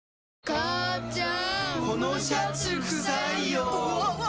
母ちゃん！